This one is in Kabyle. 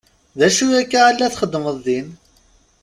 D acu akka i la txeddmeḍ din?